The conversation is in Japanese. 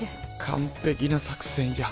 完璧な作戦や。